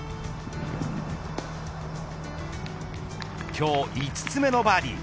今日５つ目のバーディー。